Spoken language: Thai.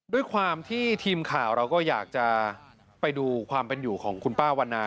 ด้วยความที่ทีมข่าวเราก็อยากจะไปดูความเป็นอยู่ของคุณป้าวันนา